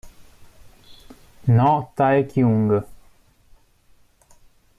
Noh Tae-kyung